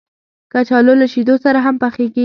کچالو له شیدو سره هم پخېږي